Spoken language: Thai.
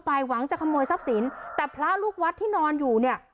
หวังจะขโมยทรัพย์สินแต่พระลูกวัดที่นอนอยู่เนี่ย